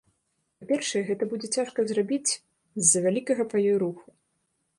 Па-першае, гэта будзе цяжка зрабіць з-за вялікага па ёй руху.